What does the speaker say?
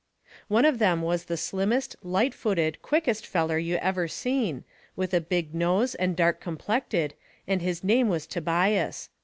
One of them was the slimmest, lightest footed, quickest feller you ever seen, with a big nose and dark complected, and his name was Tobias.